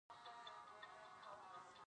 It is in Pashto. موبایل ته نوی کوور لګولی یم.